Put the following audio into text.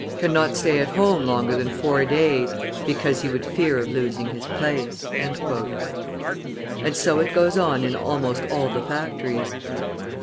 Cannot stay at home longer than four days, because he would fear of losing his place." And so it goes on in almost all the factories.